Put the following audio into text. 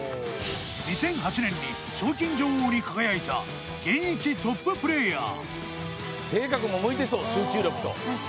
２００８年に賞金女王に輝いた現役トッププレーヤー。